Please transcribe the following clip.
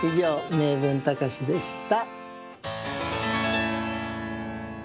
「名文たかし」でした。